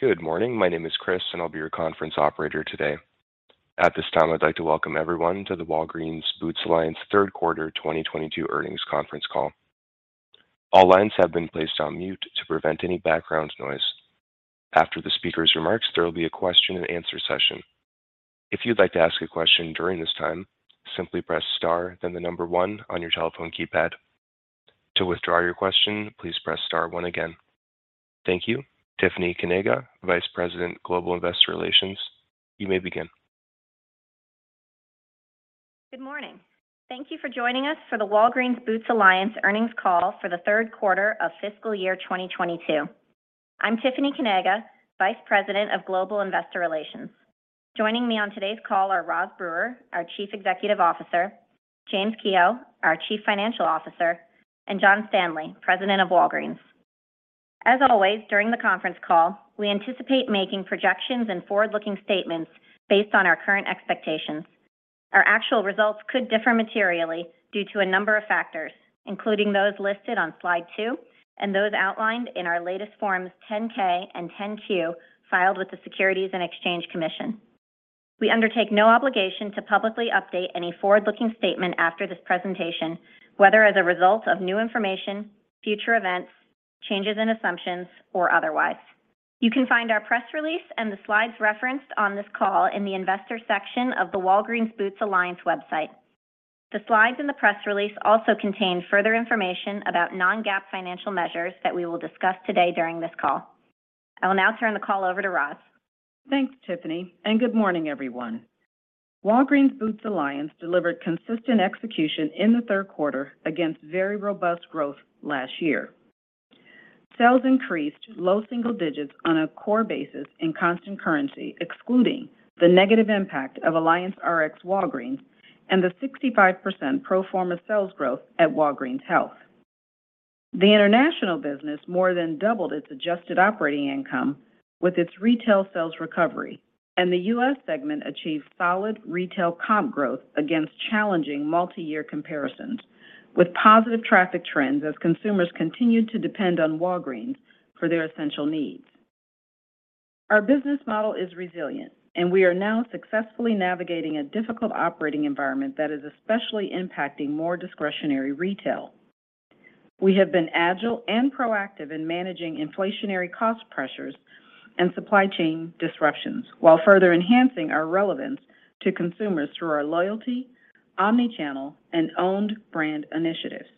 Good morning. My name is Chris, and I'll be your conference operator today. At this time, I'd like to welcome everyone to the Walgreens Boots Alliance Q3 2022 earnings conference call. All lines have been placed on mute to prevent any background noise. After the speaker's remarks, there will be a question and answer session. If you'd like to ask a question during this time, simply press star then the number one on your telephone keypad. To withdraw your question, please press star one again. Thank you. Tiffany Kanaga, Vice President, Global Investor Relations, you may begin. Good morning. Thank you for joining us for the Walgreens Boots Alliance earnings call for the Q3 of fiscal year 2022. I'm Tiffany Kanaga, Vice President of Global Investor Relations. Joining me on today's call are Roz Brewer, our Chief Executive Officer, James Kehoe, our Chief Financial Officer, and John Standley, President of Walgreens. As always, during the conference call, we anticipate making projections and forward-looking statements based on our current expectations. Our actual results could differ materially due to a number of factors, including those listed on slide two and those outlined in our latest Forms 10-K and 10-Q filed with the Securities and Exchange Commission. We undertake no obligation to publicly update any forward-looking statement after this presentation, whether as a result of new information, future events, changes in assumptions, or otherwise. You can find our press release and the slides referenced on this call in the investor section of the Walgreens Boots Alliance website. The slides and the press release also contain further information about non-GAAP financial measures that we will discuss today during this call. I will now turn the call over to Roz. Thanks, Tiffany, and good morning, everyone. Walgreens Boots Alliance delivered consistent execution in the Q3 against very robust growth last year. Sales increased low single digits on a core basis in constant currency, excluding the negative impact of AllianceRx Walgreens and the 65% pro forma sales growth at Walgreens Health. The international business more than doubled its adjusted operating income with its retail sales recovery and the U.S. segment achieved solid retail comp growth against challenging multi-year comparisons with positive traffic trends as consumers continued to depend on Walgreens for their essential needs. Our business model is resilient, and we are now successfully navigating a difficult operating environment that is especially impacting more discretionary retail. We have been agile and proactive in managing inflationary cost pressures and supply chain disruptions while further enhancing our relevance to consumers through our loyalty, omnichannel, and owned brand initiatives.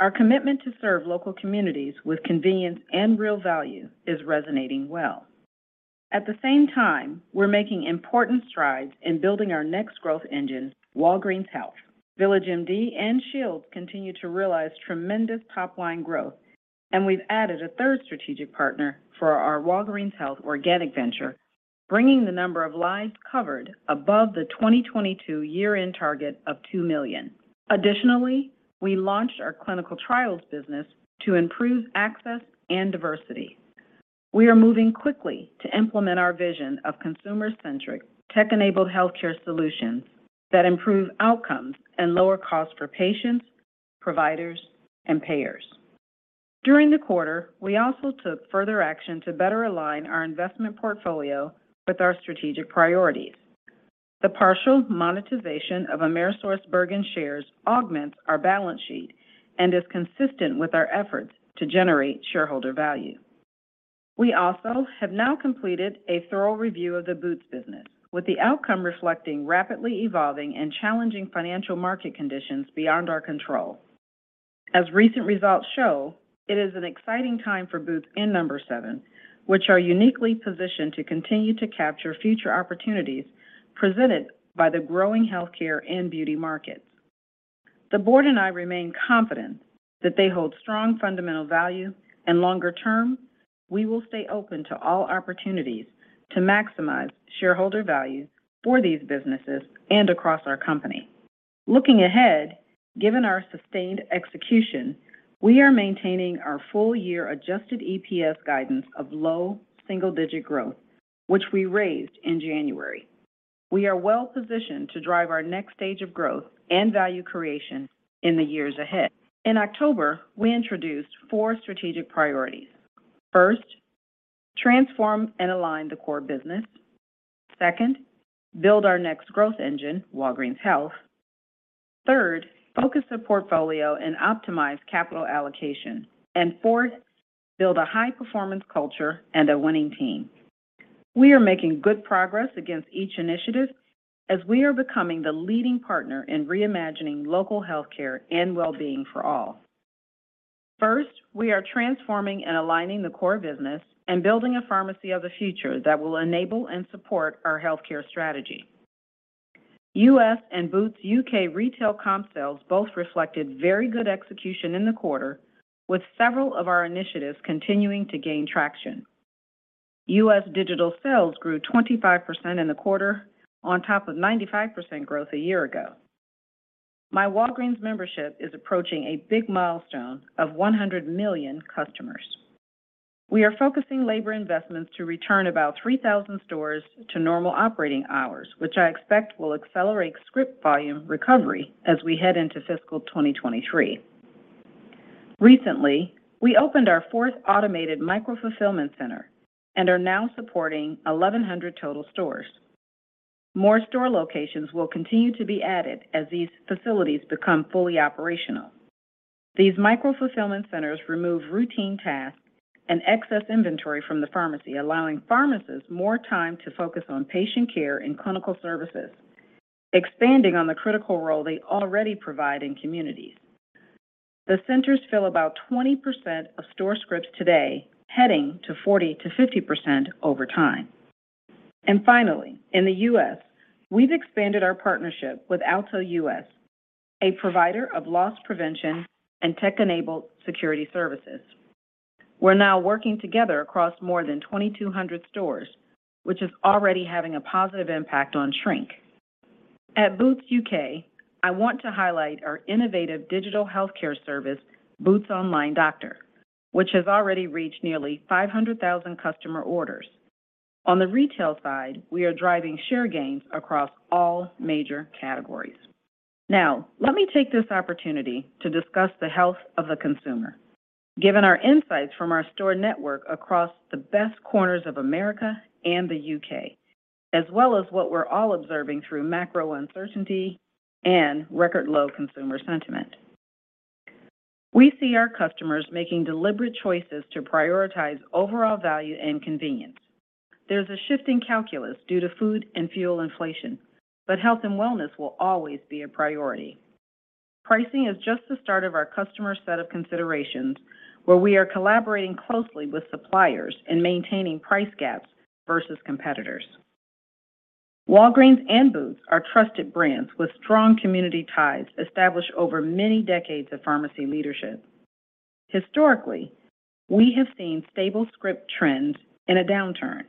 Our commitment to serve local communities with convenience and real value is resonating well. At the same time, we're making important strides in building our next growth engine, Walgreens Health. VillageMD and Shields continue to realize tremendous top-line growth, and we've added a third strategic partner for our Walgreens Health organic venture, bringing the number of lives covered above the 2022 year-end target of 2 million. Additionally, we launched our clinical trials business to improve access and diversity. We are moving quickly to implement our vision of consumer-centric, tech-enabled healthcare solutions that improve outcomes and lower costs for patients, providers, and payers. During the quarter, we also took further action to better align our investment portfolio with our strategic priorities. The partial monetization of AmerisourceBergen shares augments our balance sheet and is consistent with our efforts to generate shareholder value. We also have now completed a thorough review of the Boots business, with the outcome reflecting rapidly evolving and challenging financial market conditions beyond our control. As recent results show, it is an exciting time for Boots and No7, which are uniquely positioned to continue to capture future opportunities presented by the growing healthcare and beauty markets. The board and I remain confident that they hold strong fundamental value and longer term, we will stay open to all opportunities to maximize shareholder value for these businesses and across our company. Looking ahead, given our sustained execution, we are maintaining our full year adjusted EPS guidance of low single-digit growth, which we raised in January. We are well-positioned to drive our next stage of growth and value creation in the years ahead. In October, we introduced four strategic priorities. First, transform and align the core business. Second, build our next growth engine, Walgreens Health. Third, focus the portfolio and optimize capital allocation. Fourth, build a high-performance culture and a winning team. We are making good progress against each initiative as we are becoming the leading partner in reimagining local healthcare and well-being for all. First, we are transforming and aligning the core business and building a pharmacy of the future that will enable and support our healthcare strategy. U.S. and Boots UK retail comp sales both reflected very good execution in the quarter, with several of our initiatives continuing to gain traction. U.S. digital sales grew 25% in the quarter on top of 95% growth a year ago. myWalgreens membership is approaching a big milestone of 100 million customers. We are focusing labor investments to return about 3,000 stores to normal operating hours, which I expect will accelerate script volume recovery as we head into fiscal 2023. Recently, we opened our fourth automated micro-fulfillment center and are now supporting 1,100 total stores. More store locations will continue to be added as these facilities become fully operational. These micro-fulfillment centers remove routine tasks and excess inventory from the pharmacy, allowing pharmacists more time to focus on patient care and clinical services, expanding on the critical role they already provide in communities. The centers fill about 20% of store scripts today, heading to 40%-50% over time. Finally, in the US, we've expanded our partnership with Alto US, a provider of loss prevention and tech-enabled security services. We're now working together across more than 2,200 stores, which is already having a positive impact on shrink. At Boots UK, I want to highlight our innovative digital healthcare service, Boots Online Doctor, which has already reached nearly 500,000 customer orders. On the retail side, we are driving share gains across all major categories. Now, let me take this opportunity to discuss the health of the consumer, given our insights from our store network across the best corners of America and the UK, as well as what we're all observing through macro uncertainty and record low consumer sentiment. We see our customers making deliberate choices to prioritize overall value and convenience. There's a shift in calculus due to food and fuel inflation, but health and wellness will always be a priority. Pricing is just the start of our customer set of considerations, where we are collaborating closely with suppliers and maintaining price gaps versus competitors. Walgreens and Boots are trusted brands with strong community ties established over many decades of pharmacy leadership. Historically, we have seen stable script trends in a downturn,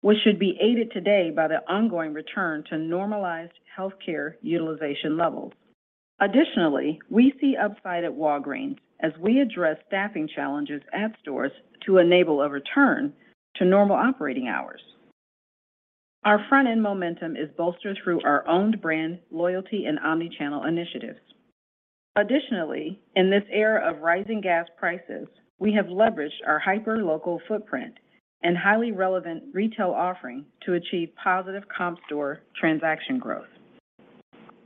which should be aided today by the ongoing return to normalized healthcare utilization levels. Additionally, we see upside at Walgreens as we address staffing challenges at stores to enable a return to normal operating hours. Our front-end momentum is bolstered through our own brand loyalty and omnichannel initiatives. Additionally, in this era of rising gas prices, we have leveraged our hyper-local footprint and highly relevant retail offering to achieve positive comp store transaction growth.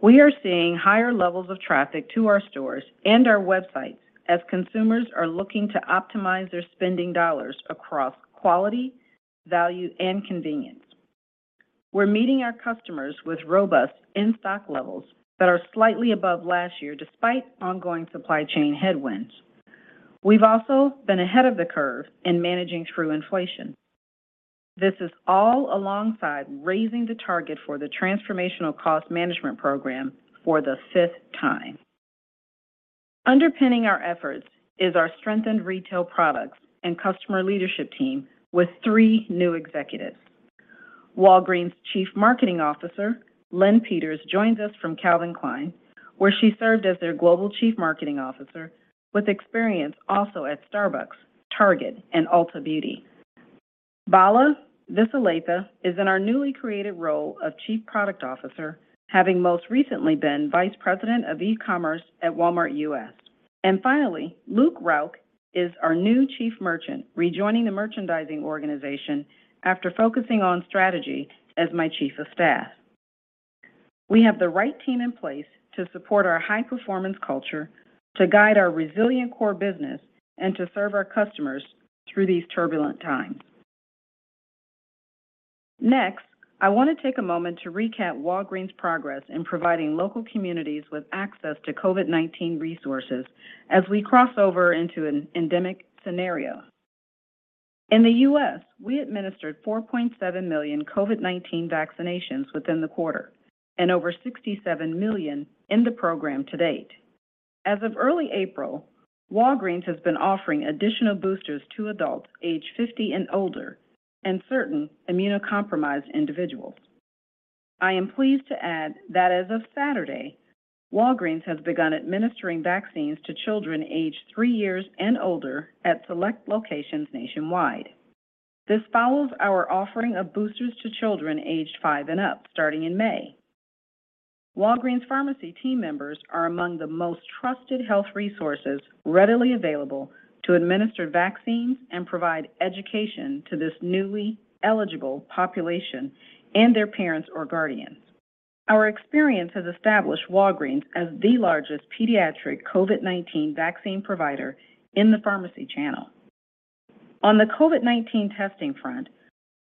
We are seeing higher levels of traffic to our stores and our websites as consumers are looking to optimize their spending dollars across quality, value, and convenience. We're meeting our customers with robust in-stock levels that are slightly above last year despite ongoing supply chain headwinds. We've also been ahead of the curve in managing through inflation. This is all alongside raising the target for the transformational cost management program for the fifth time. Underpinning our efforts is our strengthened retail products and customer leadership team with three new executives. Walgreens Chief Marketing Officer, Linh Peters, joins us from Calvin Klein, where she served as their Global Chief Marketing Officer with experience also at Starbucks, Target, and Ulta Beauty. Bala Visalatha is in our newly created role of Chief Product Officer, having most recently been Vice President of E-commerce at Walmart U.S. Finally, Luke Rauch is our new Chief Merchant, rejoining the merchandising organization after focusing on strategy as my Chief of Staff. We have the right team in place to support our high performance culture, to guide our resilient core business, and to serve our customers through these turbulent times. Next, I want to take a moment to recap Walgreens' progress in providing local communities with access to COVID-19 resources as we cross over into an endemic scenario. In the U.S., we administered 4.7 million COVID-19 vaccinations within the quarter and over 67 million in the program to date. As of early April, Walgreens has been offering additional boosters to adults aged 50 and older and certain immunocompromised individuals. I am pleased to add that as of Saturday, Walgreens has begun administering vaccines to children aged three years and older at select locations nationwide. This follows our offering of boosters to children aged 5 and up, starting in May. Walgreens pharmacy team members are among the most trusted health resources readily available to administer vaccines and provide education to this newly eligible population and their parents or guardians. Our experience has established Walgreens as the largest pediatric COVID-19 vaccine provider in the pharmacy channel. On the COVID-19 testing front,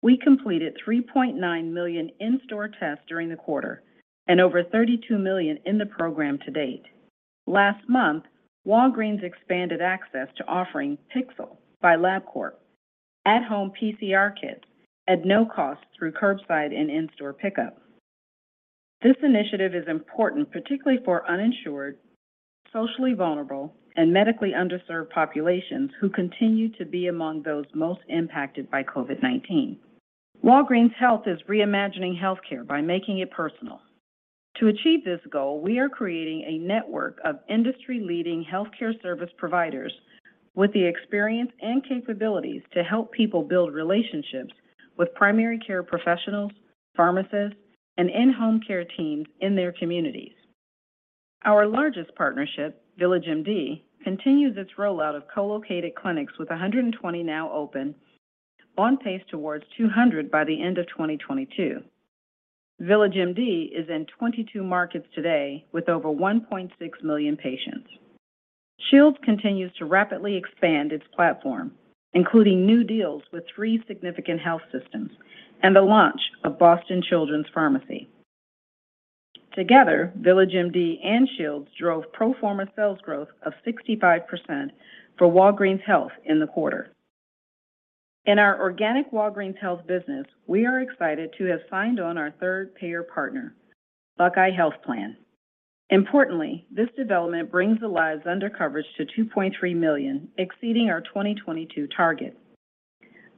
we completed 3.9 million in-store tests during the quarter and over 32 million in the program to date. Last month, Walgreens expanded access to offering Pixel by Labcorp at-home PCR kits at no cost through curbside and in-store pickup. This initiative is important, particularly for uninsured, socially vulnerable, and medically underserved populations who continue to be among those most impacted by COVID-19. Walgreens Health is reimagining healthcare by making it personal. To achieve this goal, we are creating a network of industry-leading healthcare service providers with the experience and capabilities to help people build relationships with primary care professionals, pharmacists, and in-home care teams in their communities. Our largest partnership, VillageMD, continues its rollout of co-located clinics with 120 now open on pace towards 200 by the end of 2022. VillageMD is in 22 markets today with over 1.6 million patients. Shields continues to rapidly expand its platform, including new deals with three significant health systems and the launch of Boston Children's Pharmacy. Together, VillageMD and Shields drove pro forma sales growth of 65% for Walgreens Health in the quarter. In our organic Walgreens Health business, we are excited to have signed on our third payer partner, Buckeye Health Plan. Importantly, this development brings the lives under coverage to 2.3 million, exceeding our 2022 target.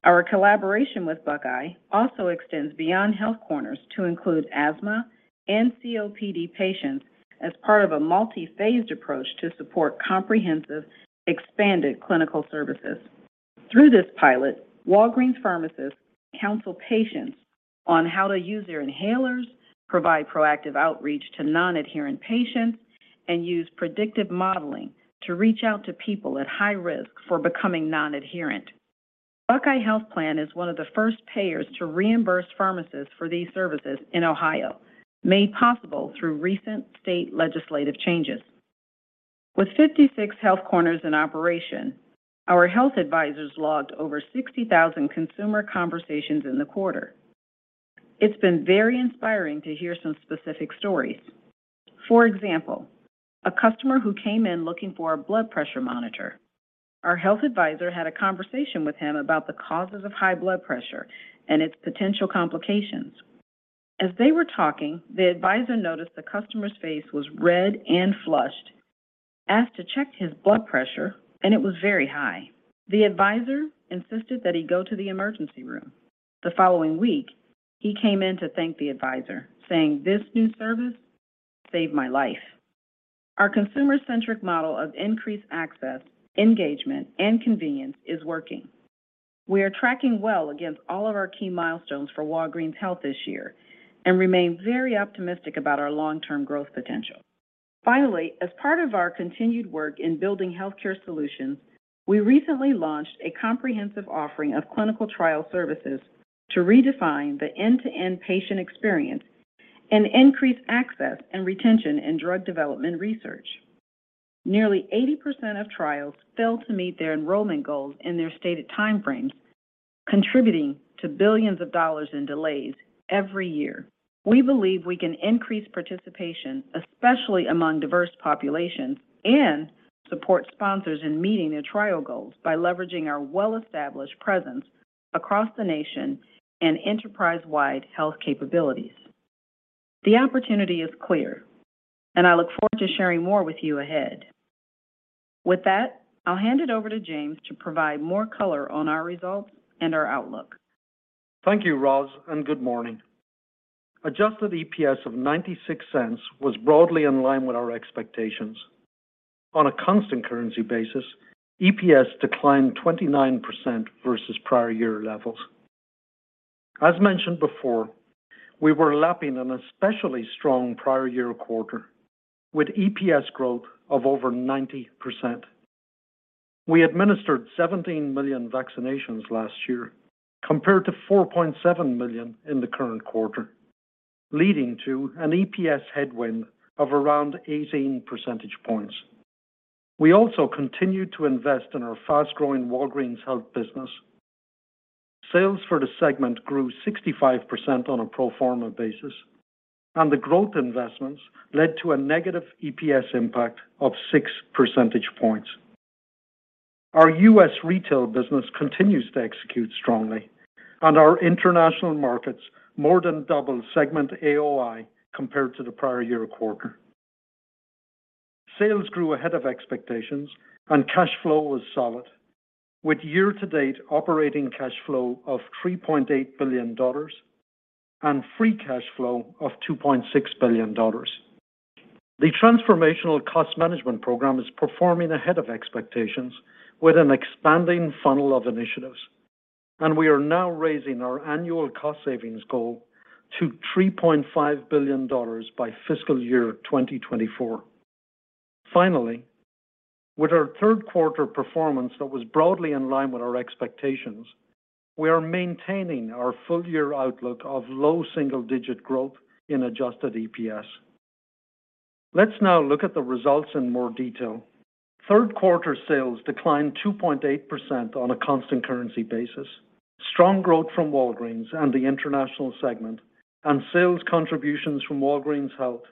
Our collaboration with Buckeye also extends beyond health corners to include asthma and COPD patients as part of a multi-phased approach to support comprehensive expanded clinical services. Through this pilot, Walgreens pharmacists counsel patients on how to use their inhalers, provide proactive outreach to non-adherent patients, and use predictive modeling to reach out to people at high risk for becoming non-adherent. Buckeye Health Plan is one of the first payers to reimburse pharmacists for these services in Ohio, made possible through recent state legislative changes. With 56 health corners in operation, our health advisors logged over 60,000 consumer conversations in the quarter. It's been very inspiring to hear some specific stories. For example, a customer who came in looking for a blood pressure monitor. Our health advisor had a conversation with him about the causes of high blood pressure and its potential complications. As they were talking, the advisor noticed the customer's face was red and flushed, asked to check his blood pressure, and it was very high. The advisor insisted that he go to the emergency room. The following week, he came in to thank the advisor, saying, "This new service saved my life." Our consumer-centric model of increased access, engagement, and convenience is working. We are tracking well against all of our key milestones for Walgreens Health this year and remain very optimistic about our long-term growth potential. Finally, as part of our continued work in building healthcare solutions, we recently launched a comprehensive offering of clinical trial services to redefine the end-to-end patient experience and increase access and retention in drug development research. Nearly 80% of trials fail to meet their enrollment goals in their stated time frames, contributing to billions of dollars in delays every year. We believe we can increase participation, especially among diverse populations, and support sponsors in meeting their trial goals by leveraging our well-established presence across the nation and enterprise-wide health capabilities. The opportunity is clear, and I look forward to sharing more with you ahead. With that, I'll hand it over to James to provide more color on our results and our outlook. Thank you, Roz, and good morning. Adjusted EPS of $0.96 was broadly in line with our expectations. On a constant currency basis, EPS declined 29% versus prior year levels. As mentioned before, we were lapping an especially strong prior year quarter with EPS growth of over 90%. We administered 17 million vaccinations last year compared to 4.7 million in the current quarter, leading to an EPS headwind of around 18 percentage points. We also continued to invest in our fast-growing Walgreens Health business. Sales for the segment grew 65% on a pro forma basis, and the growth investments led to a negative EPS impact of 6 percentage points. Our U.S. retail business continues to execute strongly and our international markets more than double segment AOI compared to the prior year quarter. Sales grew ahead of expectations and cash flow was solid with year-to-date operating cash flow of $3.8 billion and free cash flow of $2.6 billion. The transformational cost management program is performing ahead of expectations with an expanding funnel of initiatives, and we are now raising our annual cost savings goal to $3.5 billion by fiscal year 2024. Finally, with our Q3 performance that was broadly in line with our expectations, we are maintaining our full-year outlook of low single-digit growth in adjusted EPS. Let's now look at the results in more detail. Q3 sales declined 2.8% on a constant currency basis. Strong growth from Walgreens and the international segment and sales contributions from Walgreens Health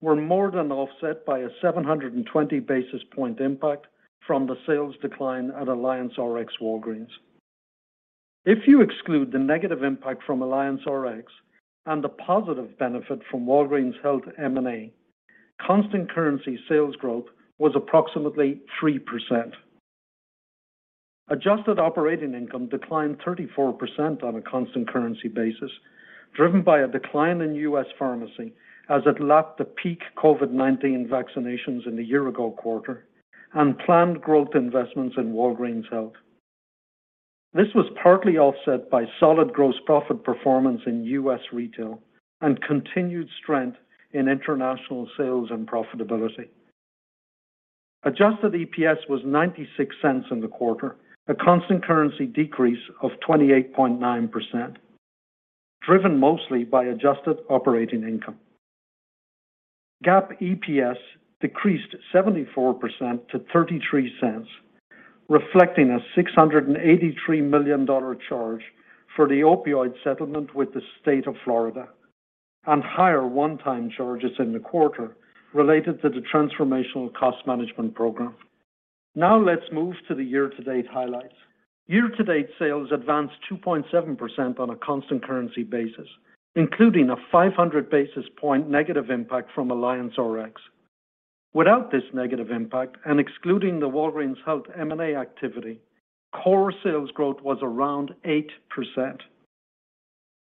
were more than offset by a 720 basis points impact from the sales decline at AllianceRx Walgreens. If you exclude the negative impact from AllianceRx and the positive benefit from Walgreens Health M&A, constant currency sales growth was approximately 3%. Adjusted operating income declined 34% on a constant currency basis, driven by a decline in U.S. pharmacy as it lapped the peak COVID-19 vaccinations in the year-ago quarter and planned growth investments in Walgreens Health. This was partly offset by solid gross profit performance in U.S. retail and continued strength in international sales and profitability. Adjusted EPS was $0.96 in the quarter, a constant currency decrease of 28.9%, driven mostly by adjusted operating income. GAAP EPS decreased 74% to $0.33, reflecting a $683 million charge for the opioid settlement with the state of Florida and higher one-time charges in the quarter related to the transformational cost management program. Now let's move to the year-to-date highlights. Year-to-date sales advanced 2.7% on a constant currency basis, including a 500 basis point negative impact from AllianceRx. Without this negative impact and excluding the Walgreens Health M&A activity, core sales growth was around 8%.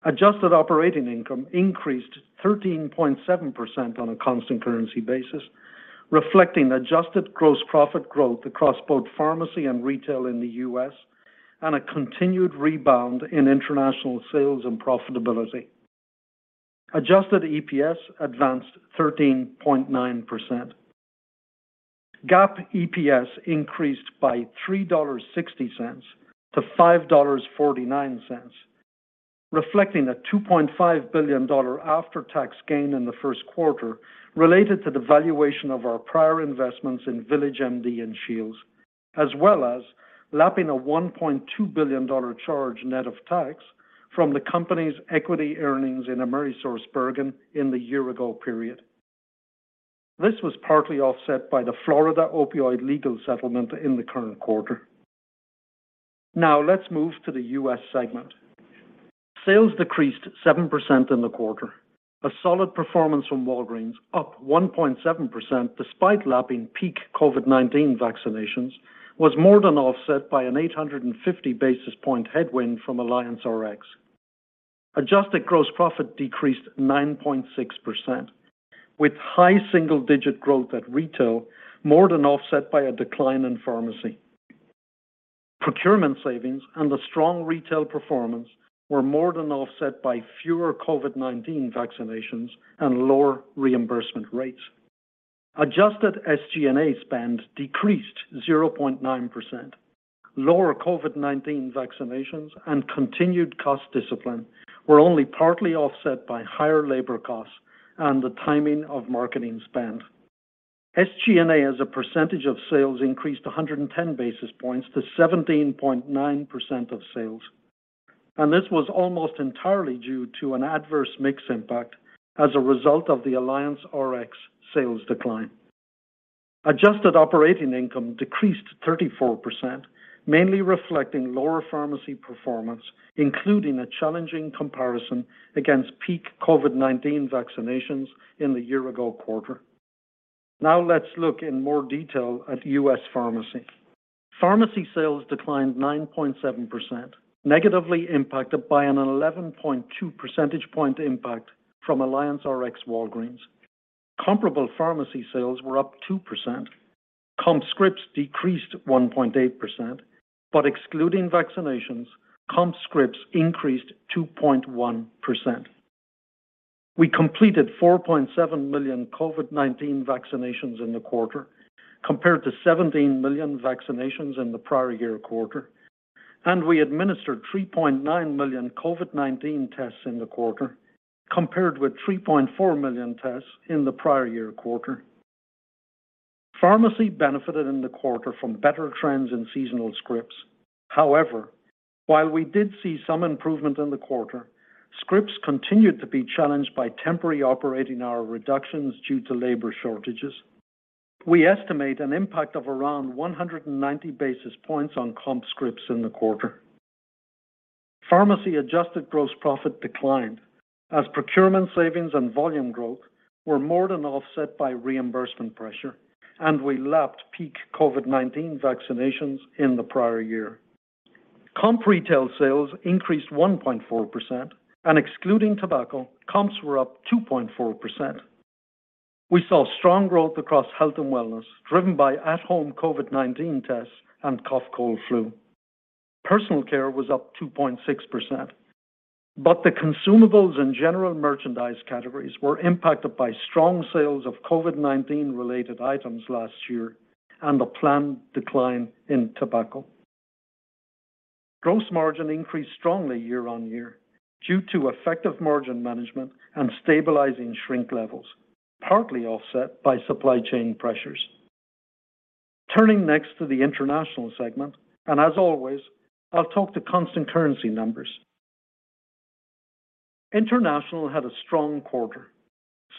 Adjusted operating income increased 13.7% on a constant currency basis, reflecting adjusted gross profit growth across both pharmacy and retail in the U.S. and a continued rebound in international sales and profitability. Adjusted EPS advanced 13.9%. GAAP EPS increased by $3.60 to $5.49, reflecting a $2.5 billion after-tax gain in the Q1 related to the valuation of our prior investments in VillageMD and Shields, as well as lapping a $1.2 billion charge net of tax from the company's equity earnings in AmerisourceBergen in the year-ago period. This was partly offset by the Florida opioid legal settlement in the current quarter. Now let's move to the U.S. segment. Sales decreased 7% in the quarter. A solid performance from Walgreens, up 1.7% despite lapping peak COVID-19 vaccinations, was more than offset by an 850 basis point headwind from AllianceRx. Adjusted gross profit decreased 9.6%, with high single-digit growth at retail more than offset by a decline in pharmacy. Procurement savings and a strong retail performance were more than offset by fewer COVID-19 vaccinations and lower reimbursement rates. Adjusted SG&A spend decreased 0.9%. Lower COVID-19 vaccinations and continued cost discipline were only partly offset by higher labor costs and the timing of marketing spend. SG&A as a percentage of sales increased 110 basis points to 17.9% of sales. This was almost entirely due to an adverse mix impact as a result of the AllianceRx sales decline. Adjusted operating income decreased 34%, mainly reflecting lower pharmacy performance, including a challenging comparison against peak COVID-19 vaccinations in the year-ago quarter. Now let's look in more detail at U.S. Pharmacy. Pharmacy sales declined 9.7%, negatively impacted by an 11.2 percentage point impact from AllianceRx Walgreens. Comparable pharmacy sales were up 2%. Comp scripts decreased 1.8%, but excluding vaccinations, comp scripts increased 2.1%. We completed 4.7 million COVID-19 vaccinations in the quarter compared to 17 million vaccinations in the prior year quarter, and we administered 3.9 million COVID-19 tests in the quarter compared with 3.4 million tests in the prior year quarter. Pharmacy benefited in the quarter from better trends in seasonal scripts. However, while we did see some improvement in the quarter, scripts continued to be challenged by temporary operating hour reductions due to labor shortages. We estimate an impact of around 190 basis points on comp scripts in the quarter. Pharmacy adjusted gross profit declined as procurement savings and volume growth were more than offset by reimbursement pressure, and we lapped peak COVID-19 vaccinations in the prior year. Comp retail sales increased 1.4% and excluding tobacco, comps were up 2.4%. We saw strong growth across health and wellness, driven by at-home COVID-19 tests and cough, cold, flu. Personal care was up 2.6%, but the consumables and general merchandise categories were impacted by strong sales of COVID-19 related items last year and a planned decline in tobacco. Gross margin increased strongly year-on-year due to effective margin management and stabilizing shrink levels, partly offset by supply chain pressures. Turning next to the International segment, and as always, I'll talk to constant currency numbers. International had a strong quarter.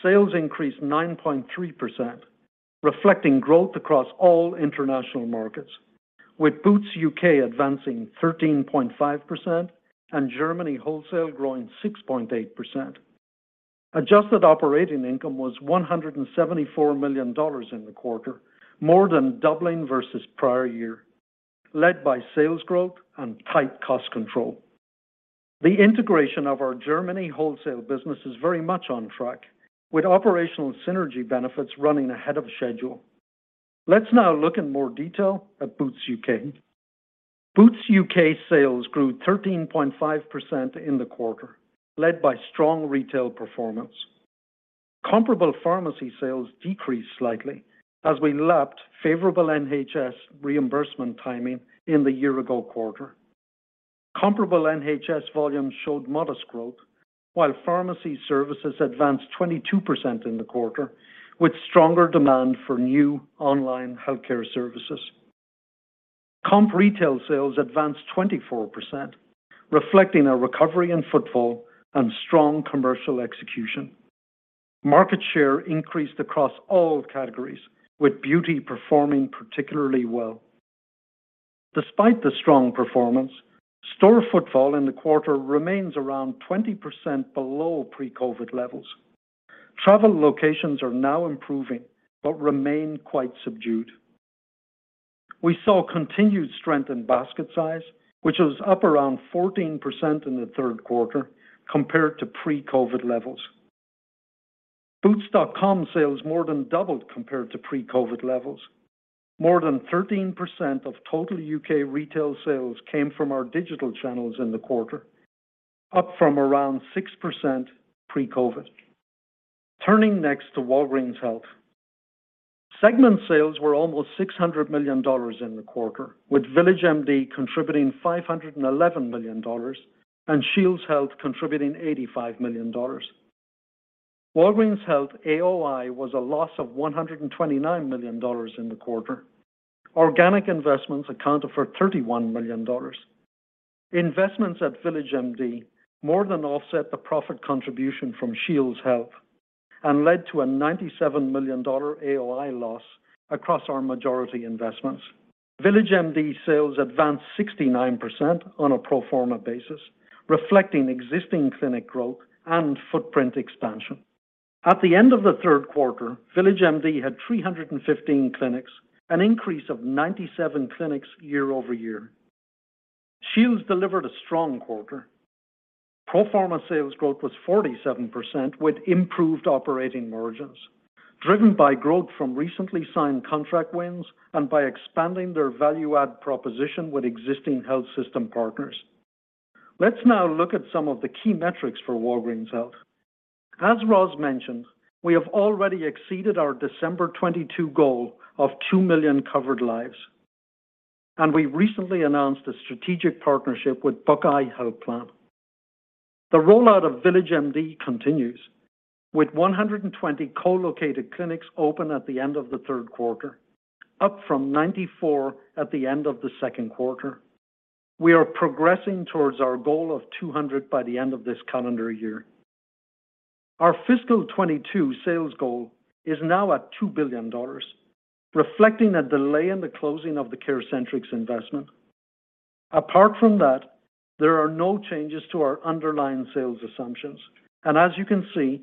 Sales increased 9.3%, reflecting growth across all international markets, with Boots UK advancing 13.5% and Germany wholesale growing 6.8%. Adjusted operating income was $174 million in the quarter, more than doubling versus prior year, led by sales growth and tight cost control. The integration of our Germany wholesale business is very much on track, with operational synergy benefits running ahead of schedule. Let's now look in more detail at Boots UK. Boots UK sales grew 13.5% in the quarter, led by strong retail performance. Comparable pharmacy sales decreased slightly as we lapped favorable NHS reimbursement timing in the year ago quarter. Comparable NHS volumes showed modest growth, while pharmacy services advanced 22% in the quarter, with stronger demand for new online healthcare services. Comp retail sales advanced 24%, reflecting a recovery in footfall and strong commercial execution. Market share increased across all categories, with beauty performing particularly well. Despite the strong performance, store footfall in the quarter remains around 20% below pre-COVID levels. Travel locations are now improving but remain quite subdued. We saw continued strength in basket size, which was up around 14% in the Q3 compared to pre-COVID levels. Boots.com sales more than doubled compared to pre-COVID levels. More than 13% of total U.K. retail sales came from our digital channels in the quarter, up from around 6% pre-COVID. Turning next to Walgreens Health. Segment sales were almost $600 million in the quarter, with VillageMD contributing $511 million and Shields Health contributing $85 million. Walgreens Health AOI was a loss of $129 million in the quarter. Organic investments accounted for $31 million. Investments at VillageMD more than offset the profit contribution from Shields Health and led to a $97 million AOI loss across our majority investments. VillageMD sales advanced 69% on a pro forma basis, reflecting existing clinic growth and footprint expansion. At the end of the Q3, VillageMD had 315 clinics, an increase of 97 clinics year-over-year. Shields delivered a strong quarter. Pro forma sales growth was 47% with improved operating margins, driven by growth from recently signed contract wins and by expanding their value add proposition with existing health system partners. Let's now look at some of the key metrics for Walgreens Health. As Roz mentioned, we have already exceeded our December 2022 goal of 2 million covered lives, and we recently announced a strategic partnership with Buckeye Health Plan. The rollout of VillageMD continues with 120 co-located clinics open at the end of the Q3, up from 94 at the end of the Q2. We are progressing towards our goal of 200 by the end of this calendar year. Our fiscal 2022 sales goal is now at $2 billion, reflecting a delay in the closing of the CareCentrix investment. Apart from that, there are no changes to our underlying sales assumptions. As you can see,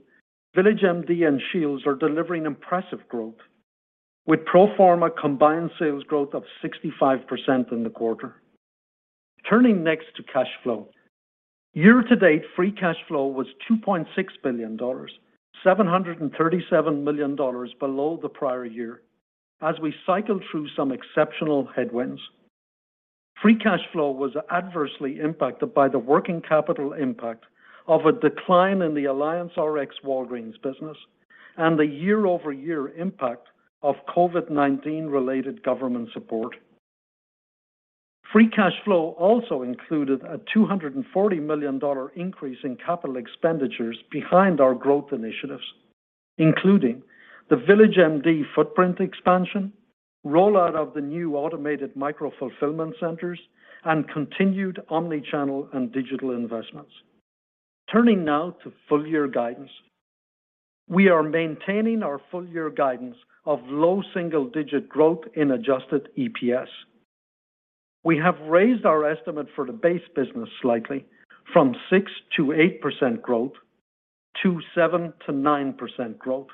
VillageMD and Shields are delivering impressive growth, with pro forma combined sales growth of 65% in the quarter. Turning next to cash flow. Year to date, free cash flow was $2.6 billion, $737 million below the prior year as we cycled through some exceptional headwinds. Free cash flow was adversely impacted by the working capital impact of a decline in the AllianceRx Walgreens business and the year-over-year impact of COVID-19 related government support. Free cash flow also included a $240 million increase in capital expenditures behind our growth initiatives, including the VillageMD footprint expansion, rollout of the new automated micro fulfillment centers, and continued omni-channel and digital investments. Turning now to full year guidance. We are maintaining our full year guidance of low single-digit growth in adjusted EPS. We have raised our estimate for the base business slightly from 6%-8% growth to 7%-9% growth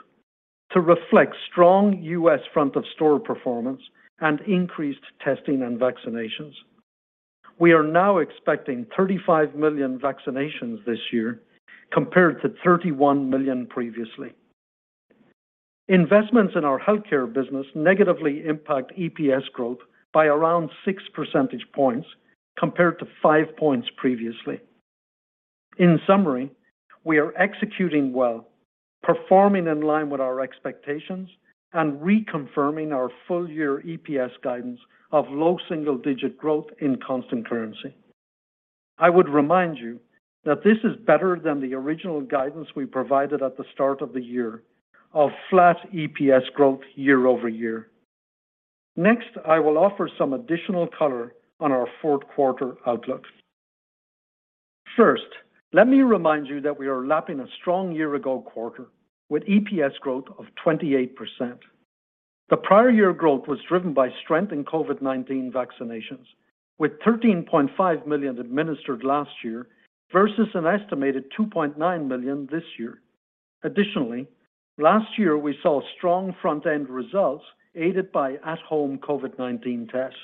to reflect strong U.S. front of store performance and increased testing and vaccinations. We are now expecting 35 million vaccinations this year compared to 31 million previously. Investments in our healthcare business negatively impact EPS growth by around 6 percentage points compared to 5 points previously. In summary, we are executing well, performing in line with our expectations and reconfirming our full year EPS guidance of low single-digit growth in constant currency. I would remind you that this is better than the original guidance we provided at the start of the year of flat EPS growth year over year. Next, I will offer some additional color on our fourth quarter outlook. First, let me remind you that we are lapping a strong year ago quarter with EPS growth of 28%. The prior year growth was driven by strength in COVID-19 vaccinations with 13.5 million administered last year versus an estimated 2.9 million this year. Additionally, last year we saw strong front-end results aided by at-home COVID-19 tests.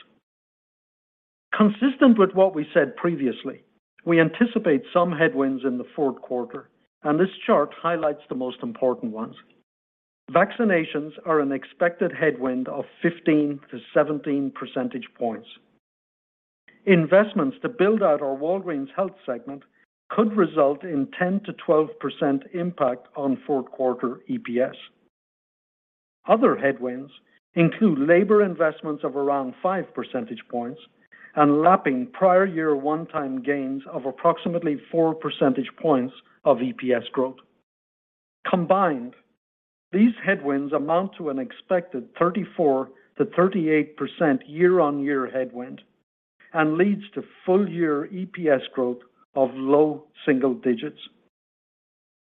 Consistent with what we said previously, we anticipate some headwinds in the fourth quarter, and this chart highlights the most important ones. Vaccinations are an expected headwind of 15-17 percentage points. Investments to build out our Walgreens Health segment could result in 10%-12% impact on fourth quarter EPS. Other headwinds include labor investments of around 5 percentage points and lapping prior year one-time gains of approximately 4 percentage points of EPS growth. Combined, these headwinds amount to an expected 34%-38% year-on-year headwind and leads to full year EPS growth of low single digits.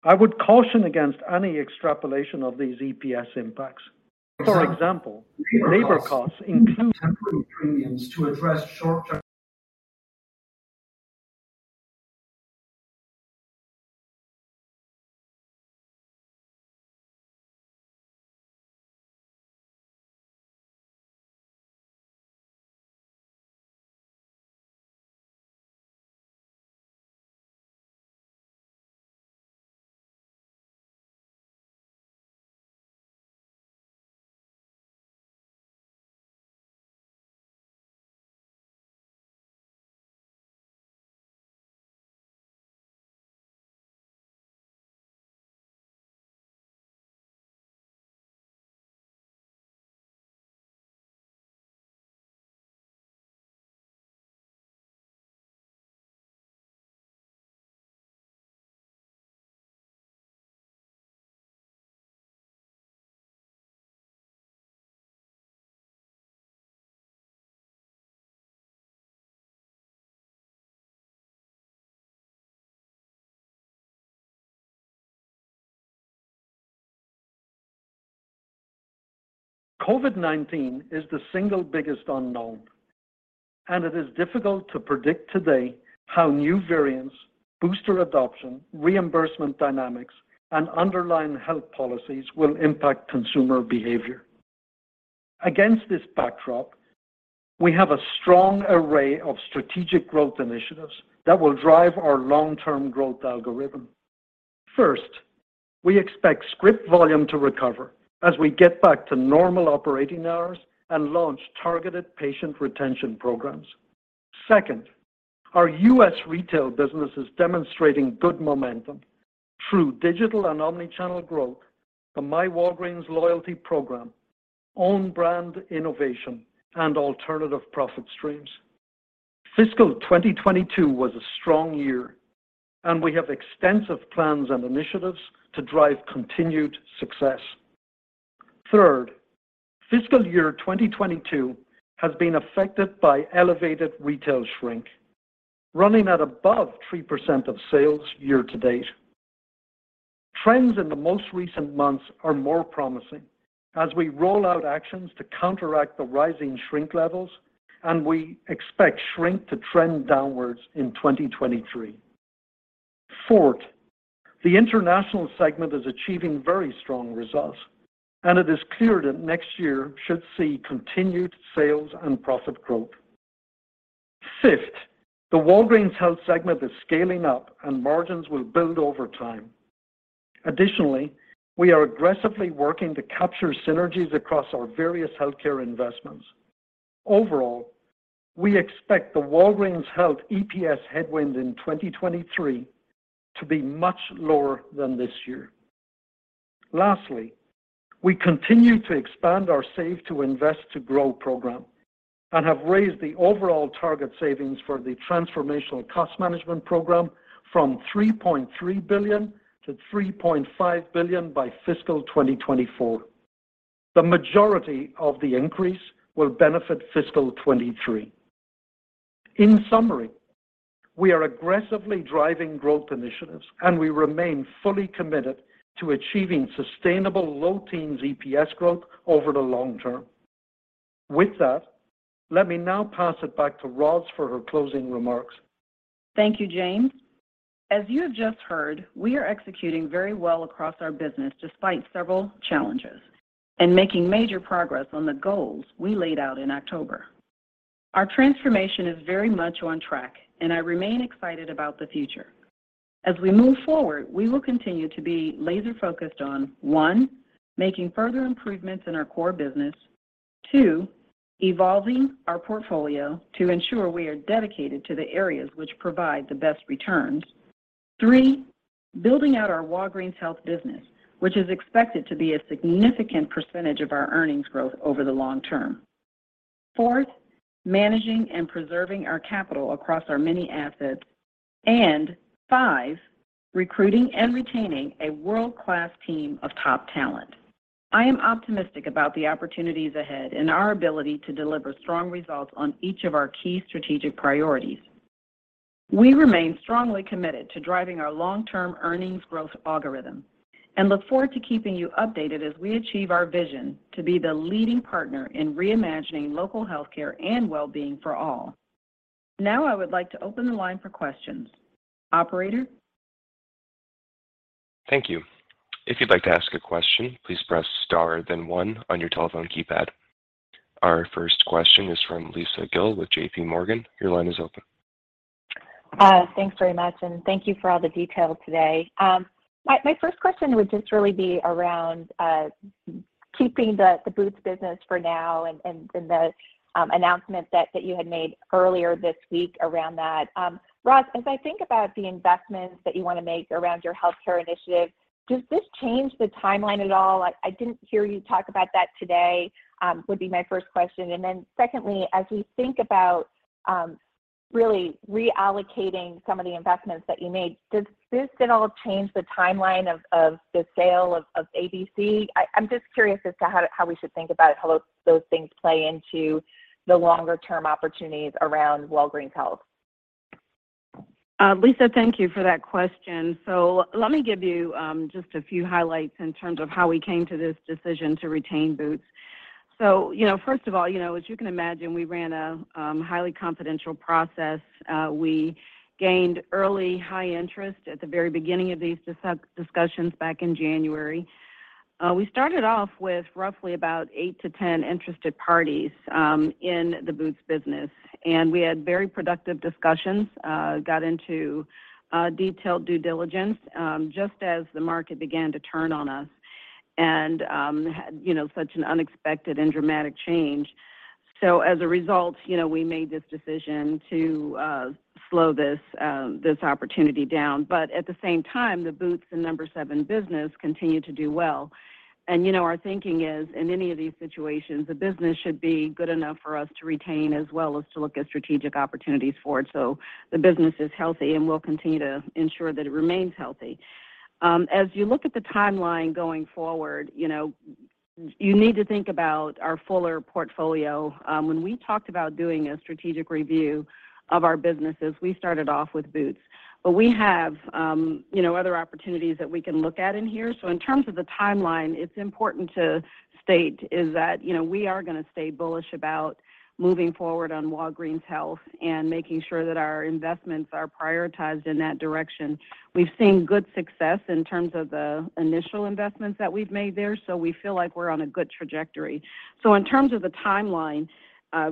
I would caution against any extrapolation of these EPS impacts. For example, labor costs include temporary premiums to address short-term COVID-19 issues are the single biggest unknown, and it is difficult to predict today how new variants, booster adoption, reimbursement dynamics, and underlying health policies will impact consumer behavior. Against this backdrop, we have a strong array of strategic growth initiatives that will drive our long-term growth algorithm. First, we expect script volume to recover as we get back to normal operating hours and launch targeted patient retention programs. Second, our U.S. retail business is demonstrating good momentum through digital and omni-channel growth, the myWalgreens loyalty program, own brand innovation, and alternative profit streams. Fiscal 2022 was a strong year, and we have extensive plans and initiatives to drive continued success. Third, fiscal year 2022 has been affected by elevated retail shrink, running at above 3% of sales year to date. Trends in the most recent months are more promising as we roll out actions to counteract the rising shrink levels, and we expect shrink to trend downwards in 2023. Fourth, the international segment is achieving very strong results, and it is clear that next year should see continued sales and profit growth. Fifth, the Walgreens Health segment is scaling up and margins will build over time. Additionally, we are aggressively working to capture synergies across our various healthcare investments. Overall, we expect the Walgreens Health EPS headwind in 2023 to be much lower than this year. Lastly, we continue to expand our Save to Invest to Grow program and have raised the overall target savings for the transformational cost management program from $3.3 billion-$3.5 billion by fiscal 2024. The majority of the increase will benefit fiscal 2023. In summary, we are aggressively driving growth initiatives, and we remain fully committed to achieving sustainable low teens EPS growth over the long term. With that, let me now pass it back to Roz for her closing remarks. Thank you, James. As you have just heard, we are executing very well across our business despite several challenges and making major progress on the goals we laid out in October. Our transformation is very much on track, and I remain excited about the future. As we move forward, we will continue to be laser-focused on, one, making further improvements in our core business. Two, evolving our portfolio to ensure we are dedicated to the areas which provide the best returns. Three, building out our Walgreens Health business, which is expected to be a significant percentage of our earnings growth over the long term. Fourth, managing and preserving our capital across our many assets. Five, recruiting and retaining a world-class team of top talent. I am optimistic about the opportunities ahead and our ability to deliver strong results on each of our key strategic priorities. We remain strongly committed to driving our long-term earnings growth algorithm and look forward to keeping you updated as we achieve our vision to be the leading partner in reimagining local healthcare and well-being for all. Now I would like to open the line for questions. Operator? Thank you. If you'd like to ask a question, please press star then one on your telephone keypad. Our first question is from Lisa Gill with JPMorgan. Your line is open. Thanks very much, and thank you for all the detail today. My first question would just really be around keeping the Boots business for now and the announcement that you had made earlier this week around that. Roz, as I think about the investments that you wanna make around your healthcare initiative, does this change the timeline at all? Like, I didn't hear you talk about that today, would be my first question. Secondly, as we think about really reallocating some of the investments that you made, does this at all change the timeline of the sale of AmerisourceBergen? I'm just curious as to how we should think about how those things play into the longer term opportunities around Walgreens Health. Lisa, thank you for that question. Let me give you just a few highlights in terms of how we came to this decision to retain Boots. You know, first of all, you know, as you can imagine, we ran a highly confidential process. We gained early high interest at the very beginning of these discussions back in January. We started off with roughly about 8-10 interested parties in the Boots business. We had very productive discussions, got into detailed due diligence just as the market began to turn on us and had such an unexpected and dramatic change. As a result, you know, we made this decision to slow this opportunity down. At the same time, the Boots and No7 business continued to do well. You know, our thinking is, in any of these situations, the business should be good enough for us to retain as well as to look at strategic opportunities for it. The business is healthy, and we'll continue to ensure that it remains healthy. As you look at the timeline going forward, you know, you need to think about our fuller portfolio. When we talked about doing a strategic review of our businesses, we started off with Boots. We have, you know, other opportunities that we can look at in here. In terms of the timeline, it's important to state is that, you know, we are gonna stay bullish about moving forward on Walgreens Health and making sure that our investments are prioritized in that direction. We've seen good success in terms of the initial investments that we've made there, so we feel like we're on a good trajectory. In terms of the timeline,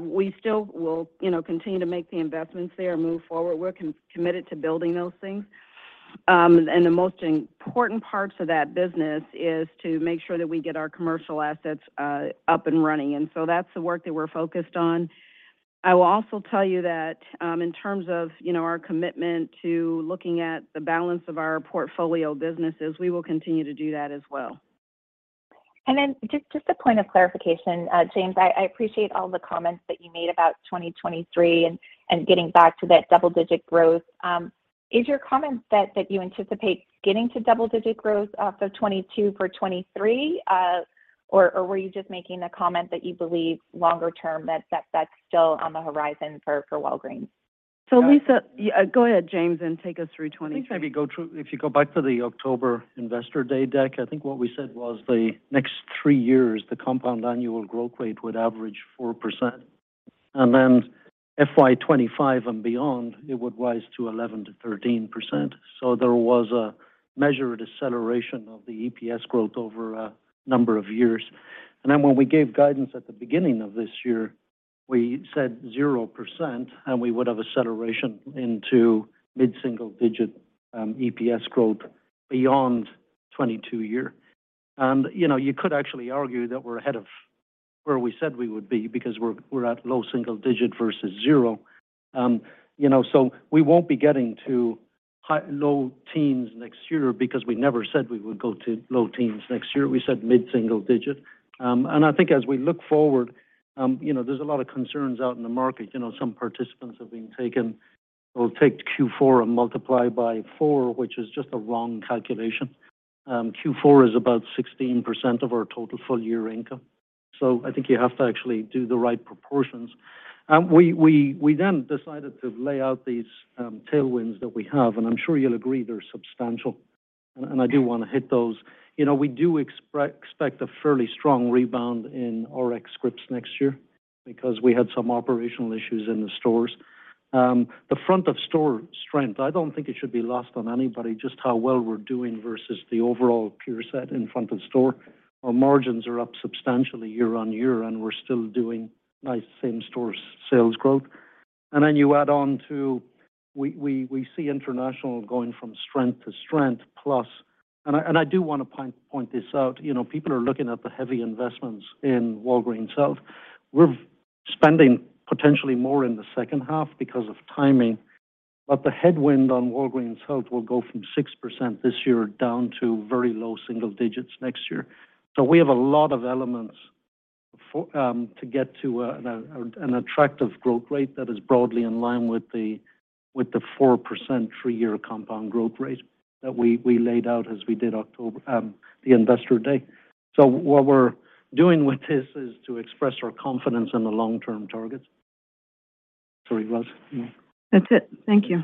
we still will, you know, continue to make the investments there and move forward. We're committed to building those things. The most important parts of that business is to make sure that we get our commercial assets up and running. That's the work that we're focused on. I will also tell you that, in terms of, you know, our commitment to looking at the balance of our portfolio businesses, we will continue to do that as well. Just a point of clarification. James, I appreciate all the comments that you made about 2023 and getting back to that double-digit growth. Is your comment that you anticipate getting to double-digit growth off of 2022 for 2023? Or were you just making the comment that you believe longer term that that's still on the horizon for Walgreens? Lisa. Yeah, go ahead, James, and take us through 2023. If you go back to the October Investor Day deck, I think what we said was the next three years, the compound annual growth rate would average 4%. FY 25 and beyond, it would rise to 11%-13%. There was a measured acceleration of the EPS growth over a number of years. When we gave guidance at the beginning of this year, we said 0%, and we would have acceleration into mid-single digit EPS growth beyond 2022. You know, you could actually argue that we're ahead of where we said we would be because we're at low single digit versus 0%. You know, we won't be getting to low teens next year because we never said we would go to low teens next year. We said mid-single digit. I think as we look forward, you know, there's a lot of concerns out in the market. You know, some participants have been taken or take Q4 and multiply by four, which is just a wrong calculation. Q4 is about 16% of our total full year income. So I think you have to actually do the right proportions. We then decided to lay out these tailwinds that we have, and I'm sure you'll agree they're substantial, and I do wanna hit those. You know, we do expect a fairly strong rebound in RX scripts next year because we had some operational issues in the stores. The front of store strength, I don't think it should be lost on anybody just how well we're doing versus the overall peer set in front of store. Our margins are up substantially year on year, and we're still doing nice same-store sales growth. Then you add on to what we see international going from strength to strength. I do want to point this out. You know, people are looking at the heavy investments in Walgreens Health. We're spending potentially more in the second half because of timing, but the headwind on Walgreens Health will go from 6% this year down to very low single digits next year. We have a lot of elements to get to an attractive growth rate that is broadly in line with the 4% three-year compound growth rate that we laid out as we did October the Investor Day. What we're doing with this is to express our confidence in the long-term targets. Sorry, Roz. That's it. Thank you.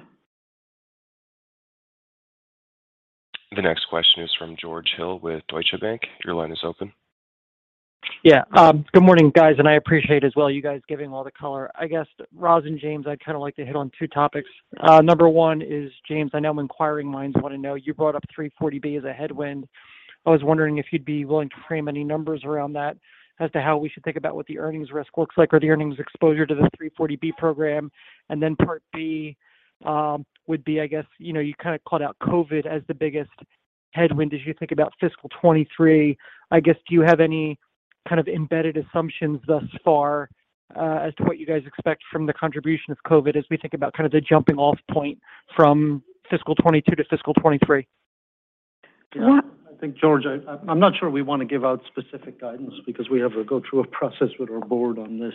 The next question is from George Hill with Deutsche Bank. Your line is open. Good morning, guys, and I appreciate as well you guys giving all the color. I guess, Roz and James, I'd kinda like to hit on two topics. Number one is, James, I know inquiring minds wanna know, you brought up 340B as a headwind. I was wondering if you'd be willing to frame any numbers around that as to how we should think about what the earnings risk looks like or the earnings exposure to the 340B program. Then part B would be, I guess, you know, you kinda called out COVID as the biggest headwind as you think about fiscal 2023. I guess, do you have any kind of embedded assumptions thus far, as to what you guys expect from the contribution of COVID as we think about kind of the jumping-off point from fiscal 2022 to fiscal 2023? Well- Yeah. I think, George, I'm not sure we wanna give out specific guidance because we have to go through a process with our board on this.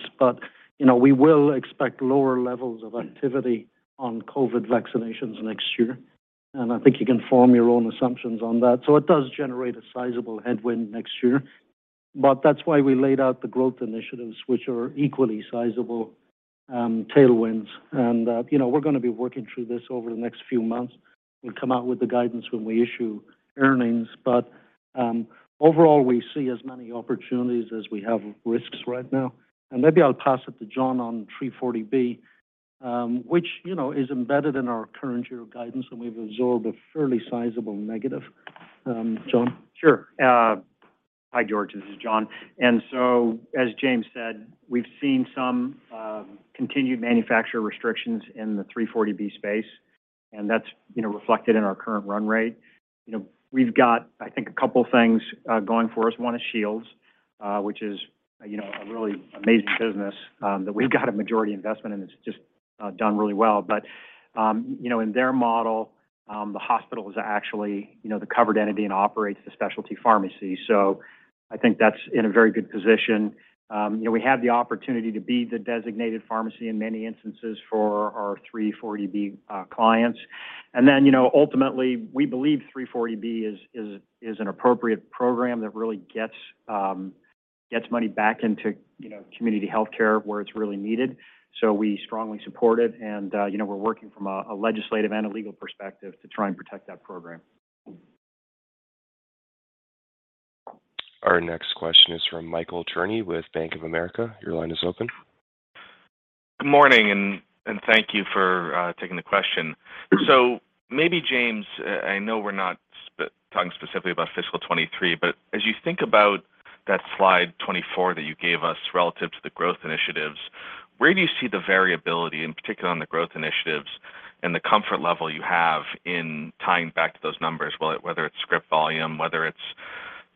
You know, we will expect lower levels of activity on COVID vaccinations next year, and I think you can form your own assumptions on that. It does generate a sizable headwind next year. That's why we laid out the growth initiatives, which are equally sizable tailwinds. You know, we're gonna be working through this over the next few months and come out with the guidance when we issue earnings. Overall, we see as many opportunities as we have risks right now. Maybe I'll pass it to John on 340B, which, you know, is embedded in our current year of guidance, and we've absorbed a fairly sizable negative. John? Sure. Hi, George. This is John. As James said, we've seen some continued manufacturer restrictions in the 340B space, and that's, you know, reflected in our current run rate. You know, we've got, I think, a couple things going for us. One is Shields, which is, you know, a really amazing business that we've got a majority investment in. It's just done really well. You know, in their model, the hospital is actually, you know, the covered entity and operates the specialty pharmacy. I think that's in a very good position. You know, we have the opportunity to be the designated pharmacy in many instances for our 340B clients. You know, ultimately, we believe 340B is an appropriate program that really gets money back into, you know, community healthcare where it's really needed. We strongly support it, and, you know, we're working from a legislative and a legal perspective to try and protect that program. Our next question is from Michael Cherny with Bank of America. Your line is open. Good morning, thank you for taking the question. Maybe, James, I know we're not talking specifically about fiscal 2023, but as you think about that slide 24 that you gave us relative to the growth initiatives, where do you see the variability, in particular on the growth initiatives, and the comfort level you have in tying back to those numbers, whether it's script volume, whether it's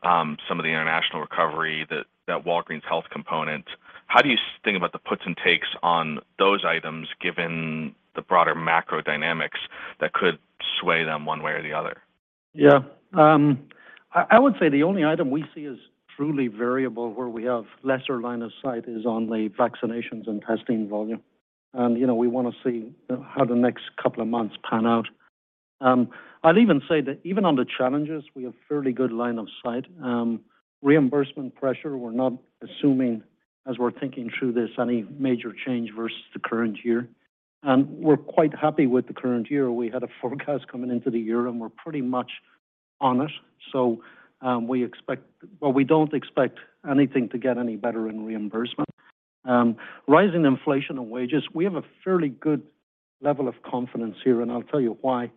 some of the international recovery that Walgreens Health component? How do you think about the puts and takes on those items given the broader macro dynamics that could sway them one way or the other? I would say the only item we see as truly variable where we have lesser line of sight is on the vaccinations and testing volume. You know, we wanna see how the next couple of months pan out. I'll even say that even on the challenges, we have fairly good line of sight. Reimbursement pressure, we're not assuming, as we're thinking through this, any major change versus the current year. We're quite happy with the current year. We had a forecast coming into the year, and we're pretty much on it. Well, we don't expect anything to get any better in reimbursement. Rising inflation and wages, we have a fairly good level of confidence here, and I'll tell you why.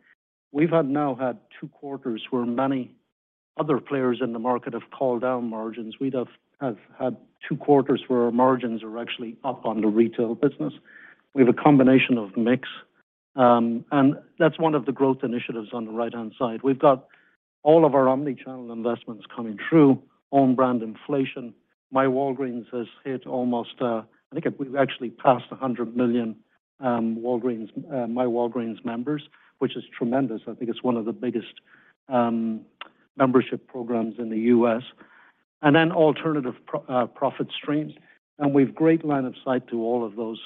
We've had two quarters where many other players in the market have called down margins. We'd have had two quarters where our margins are actually up on the retail business. We have a combination of mix, and that's one of the growth initiatives on the right-hand side. We've got all of our omni-channel investments coming through, own brand inflation. myWalgreens has hit almost—I think we've actually passed 100 million myWalgreens members, which is tremendous. I think it's one of the biggest membership programs in the U.S. Then alternative profit streams, and we have great line of sight to all of those.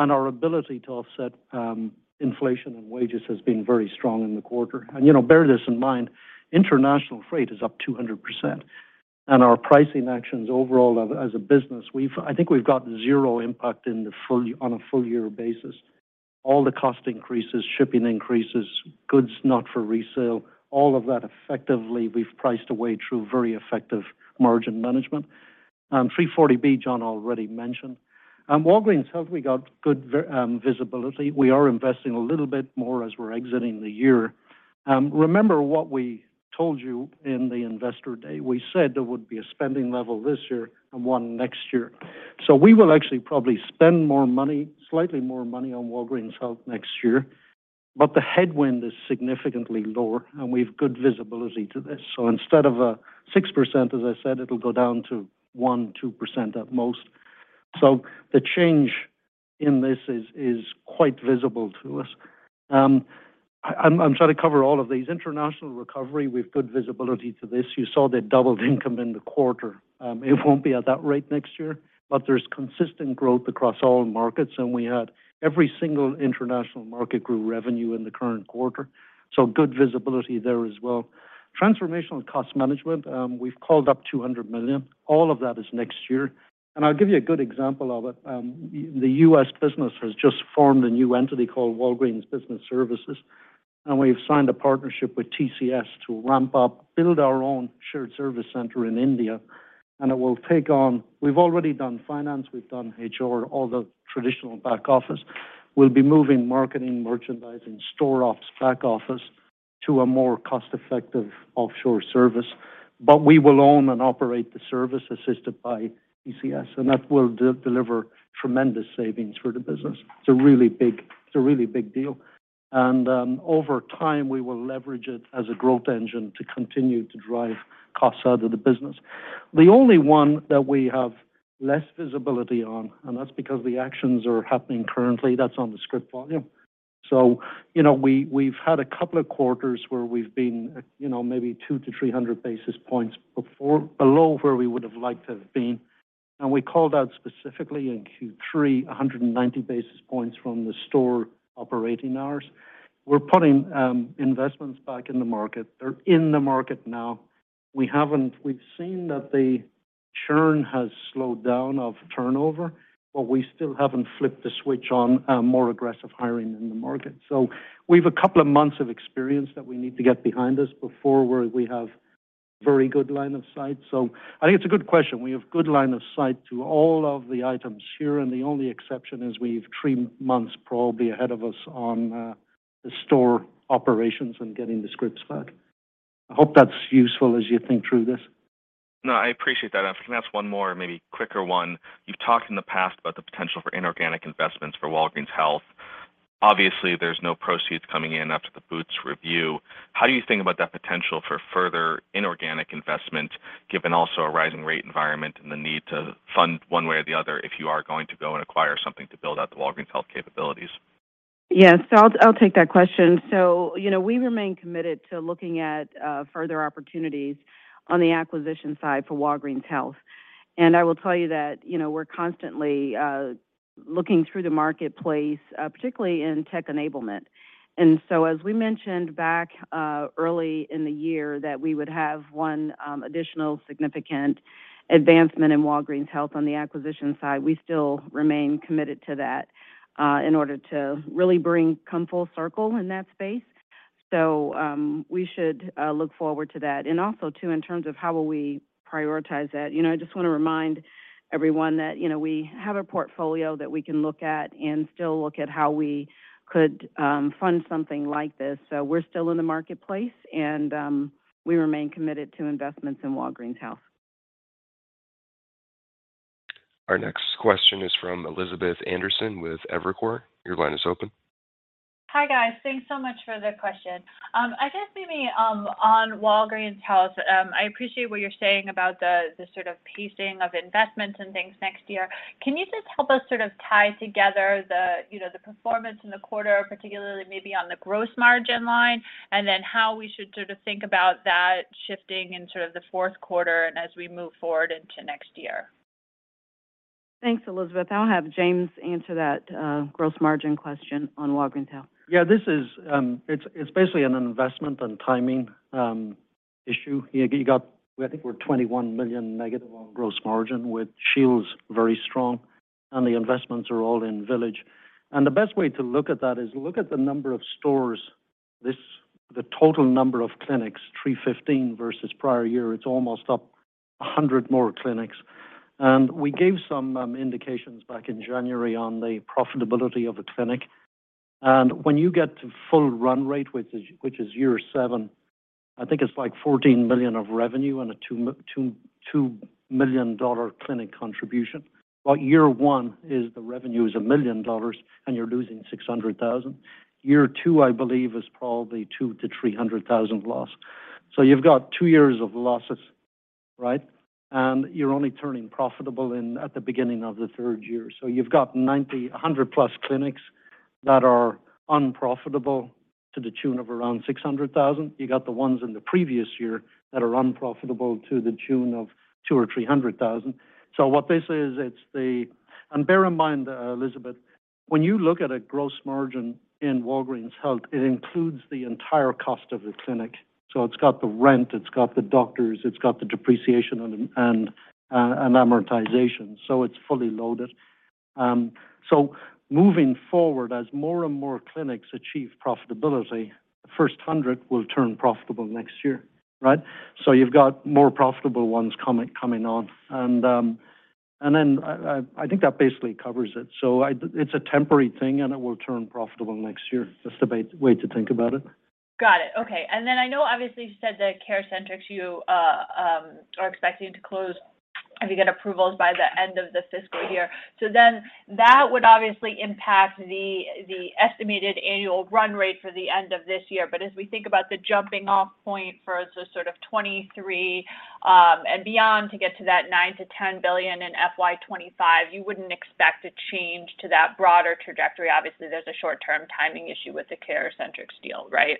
Our ability to offset inflation and wages has been very strong in the quarter. You know, bear this in mind, international freight is up 200%. Our pricing actions overall as a business, I think we've got zero impact on a full year basis. All the cost increases, shipping increases, goods not for resale, all of that effectively we've priced away through very effective margin management. 340B, John already mentioned. Walgreens Health, we got good visibility. We are investing a little bit more as we're exiting the year. Remember what we told you in the Investor Day. We said there would be a spending level this year and one next year. We will actually probably spend more money, slightly more money on Walgreens Health next year. But the headwind is significantly lower, and we've good visibility to this. Instead of a 6%, as I said, it'll go down to 1-2% at most. The change in this is quite visible to us. I'm trying to cover all of these. International recovery, we've good visibility to this. You saw the doubled income in the quarter. It won't be at that rate next year, but there's consistent growth across all markets, and every single international market grew revenue in the current quarter. Good visibility there as well. Transformational cost management, we've called up $200 million. All of that is next year. I'll give you a good example of it. The U.S. business has just formed a new entity called Walgreens Business Services, and we've signed a partnership with TCS to ramp up, build our own shared service center in India. It will take on. We've already done finance, we've done HR, all the traditional back office. We'll be moving marketing, merchandising, store ops, back office to a more cost-effective offshore service. We will own and operate the service assisted by TCS, and that will deliver tremendous savings for the business. It's a really big deal. Over time, we will leverage it as a growth engine to continue to drive costs out of the business. The only one that we have less visibility on, and that's because the actions are happening currently, that's on the script volume. You know, we've had a couple of quarters where we've been, you know, maybe 200-300 basis points below where we would have liked to have been. We called out specifically in Q3, 190 basis points from the store operating hours. We're putting investments back in the market. They're in the market now. We've seen that the churn has slowed down of turnover, but we still haven't flipped the switch on a more aggressive hiring in the market. We've a couple of months of experience that we need to get behind us before where we have very good line of sight. I think it's a good question. We have good line of sight to all of the items here, and the only exception is we've three months probably ahead of us on the store operations and getting the scripts back. I hope that's useful as you think through this. No, I appreciate that. If I can ask one more, maybe quicker one. You've talked in the past about the potential for inorganic investments for Walgreens Health. Obviously, there's no proceeds coming in after the Boots review. How do you think about that potential for further inorganic investment, given also a rising rate environment and the need to fund one way or the other if you are going to go and acquire something to build out the Walgreens Health capabilities? Yes, I'll take that question. You know, we remain committed to looking at further opportunities on the acquisition side for Walgreens Health. I will tell you that, you know, we're constantly looking through the marketplace, particularly in tech enablement. As we mentioned back early in the year that we would have one additional significant advancement in Walgreens Health on the acquisition side, we still remain committed to that, in order to really come full circle in that space. We should look forward to that. Also too, in terms of how will we prioritize that, you know, I just wanna remind everyone that, you know, we have a portfolio that we can look at and still look at how we could fund something like this. We're still in the marketplace and we remain committed to investments in Walgreens Health. Our next question is from Elizabeth Anderson with Evercore. Your line is open. Hi, guys. Thanks so much for the question. I guess maybe on Walgreens Health, I appreciate what you're saying about the sort of pacing of investments and things next year. Can you just help us sort of tie together the performance in the quarter, particularly maybe on the gross margin line, and then how we should sort of think about that shifting into the fourth quarter and as we move forward into next year? Thanks, Elizabeth. I'll have James answer that, gross margin question on Walgreens Health. Yeah. This is, it's basically an investment and timing issue. You got, I think we're $21 million negative on gross margin with Shields very strong, and the investments are all in Village. The best way to look at that is look at the number of stores, the total number of clinics, 315 versus prior year, it's almost up 100 more clinics. We gave some indications back in January on the profitability of the clinic. When you get to full run rate, which is year seven, I think it's like $14 billion of revenue and a $2 million clinic contribution. But year one is the revenue is $1 million, and you're losing $600,000. Year two, I believe, is probably $200,000-$300,000 loss. You've got 2 years of losses, right? You're only turning profitable at the beginning of the third year. You've got 90, 100+ clinics that are unprofitable to the tune of around $600,000. You got the ones in the previous year that are unprofitable to the tune of $200,000 or $300,000. What this is, it's the. Bear in mind, Elizabeth, when you look at a gross margin in Walgreens Health, it includes the entire cost of the clinic. It's got the rent, it's got the doctors, it's got the depreciation and amortization. It's fully loaded. Moving forward, as more and more clinics achieve profitability, the first 100 will turn profitable next year, right? You've got more profitable ones coming on. I think that basically covers it. It's a temporary thing, and it will turn profitable next year. That's the way to think about it. Got it. Okay. I know obviously you said that CareCentrix you are expecting to close if you get approvals by the end of the fiscal year. That would obviously impact the estimated annual run rate for the end of this year. As we think about the jumping off point for sort of 2023 and beyond to get to that $9 billion-$10 billion in FY 2025, you wouldn't expect a change to that broader trajectory. Obviously, there's a short-term timing issue with the CareCentrix deal, right?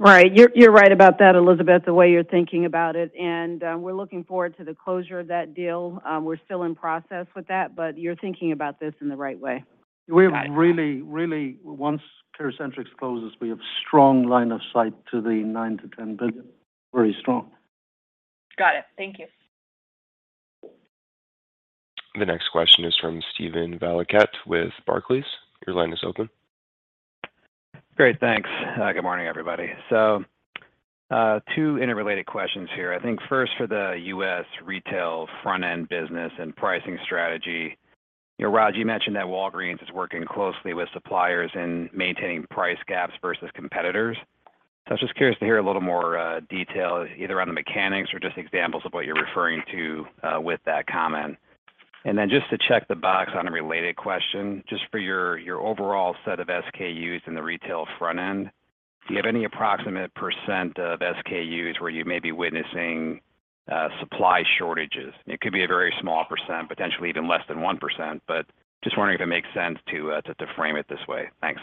Right. You're right about that, Elizabeth, the way you're thinking about it. We're looking forward to the closure of that deal. We're still in process with that, but you're thinking about this in the right way. Got it. Once CareCentrix closes, we have strong line of sight to the $9 billion-$10 billion. Very strong. Got it. Thank you. The next question is from Steven Valiquette with Barclays. Your line is open. Great. Thanks. Good morning, everybody. Two interrelated questions here. I think first for the U.S. retail front-end business and pricing strategy. You know, Roz, you mentioned that Walgreens is working closely with suppliers in maintaining price gaps versus competitors. I'm just curious to hear a little more, detail, either on the mechanics or just examples of what you're referring to, with that comment. Then just to check the box on a related question, just for your overall set of SKUs in the retail front end, do you have any approximate % of SKUs where you may be witnessing, supply shortages? It could be a very small %, potentially even less than 1%, but just wondering if it makes sense to frame it this way. Thanks.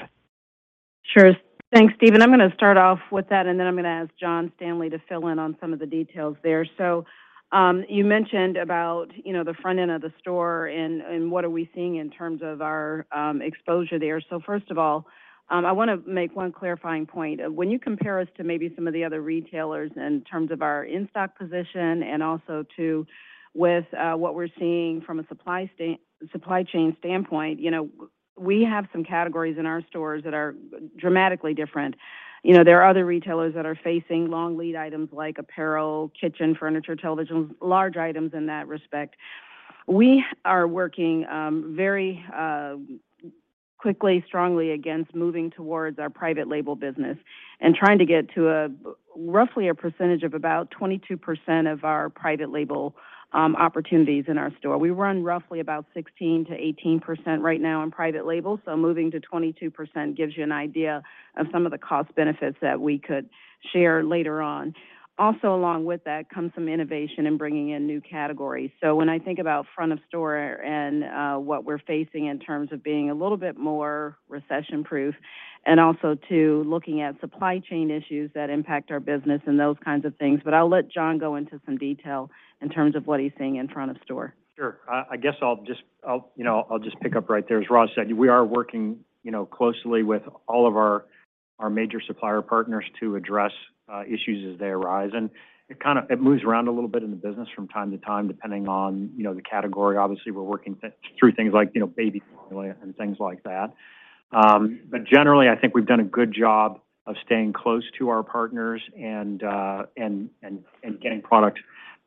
Sure. Thanks, Steven. I'm gonna start off with that, and then I'm gonna ask John Standley to fill in on some of the details there. You mentioned about, you know, the front end of the store and what are we seeing in terms of our exposure there. First of all, I wanna make one clarifying point. When you compare us to maybe some of the other retailers in terms of our in-stock position and also, too, with what we're seeing from a supply chain standpoint, you know, we have some categories in our stores that are dramatically different. You know, there are other retailers that are facing long lead items like apparel, kitchen furniture, televisions, large items in that respect. We are working very quickly, strongly against moving towards our private label business and trying to get to a roughly a percentage of about 22% of our private label opportunities in our store. We run roughly about 16%-18% right now in private label, so moving to 22% gives you an idea of some of the cost benefits that we could share later on. Also, along with that comes some innovation in bringing in new categories. When I think about front of store and what we're facing in terms of being a little bit more recession-proof and also to looking at supply chain issues that impact our business and those kinds of things. I'll let John go into some detail in terms of what he's seeing in front of store. Sure. I guess I'll just, you know, pick up right there. As Roz said, we are working, you know, closely with all of our major supplier partners to address issues as they arise. It moves around a little bit in the business from time to time, depending on, you know, the category. Obviously, we're working through things like, you know, baby formula and things like that. Generally, I think we've done a good job of staying close to our partners and getting product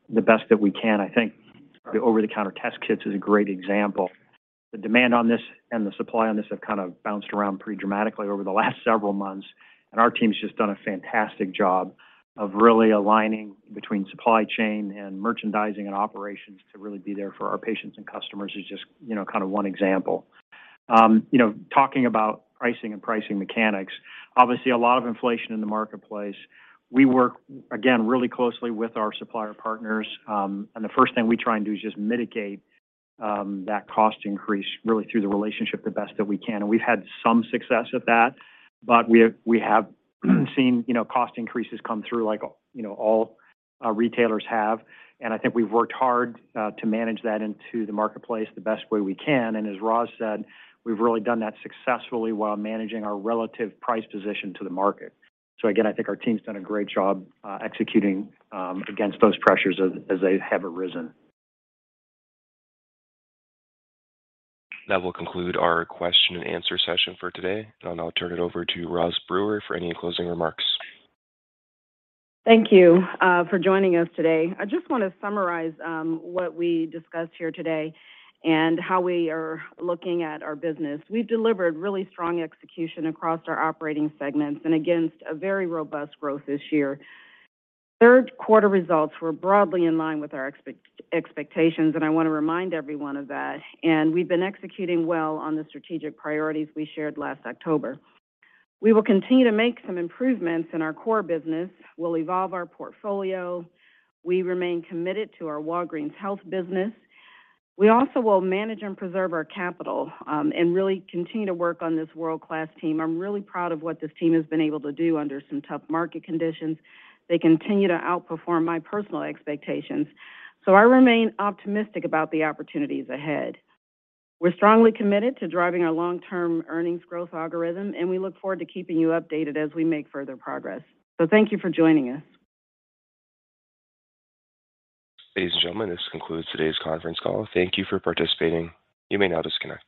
the best that we can. I think the over-the-counter test kits is a great example. The demand on this and the supply on this have kind of bounced around pretty dramatically over the last several months, and our team's just done a fantastic job of really aligning between supply chain and merchandising and operations to really be there for our patients and customers is just, you know, kind of one example. You know, talking about pricing and pricing mechanics, obviously a lot of inflation in the marketplace. We work, again, really closely with our supplier partners. The first thing we try and do is just mitigate that cost increase really through the relationship the best that we can. We've had some success at that, but we have seen, you know, cost increases come through like, you know, all our retailers have. I think we've worked hard to manage that into the marketplace the best way we can. As Roz said, we've really done that successfully while managing our relative price position to the market. Again, I think our team's done a great job executing against those pressures as they have arisen. That will conclude our question and answer session for today. I'll turn it over to Roz Brewer for any closing remarks. Thank you for joining us today. I just wanna summarize what we discussed here today and how we are looking at our business. We've delivered really strong execution across our operating segments and against a very robust growth this year. Q3 results were broadly in line with our expectations, and I wanna remind everyone of that. We've been executing well on the strategic priorities we shared last October. We will continue to make some improvements in our core business. We'll evolve our portfolio. We remain committed to our Walgreens Health business. We also will manage and preserve our capital and really continue to work on this world-class team. I'm really proud of what this team has been able to do under some tough market conditions. They continue to outperform my personal expectations. I remain optimistic about the opportunities ahead. We're strongly committed to driving our long-term earnings growth algorithm, and we look forward to keeping you updated as we make further progress. Thank you for joining us. Ladies and gentlemen, this concludes today's conference call. Thank you for participating. You may now disconnect.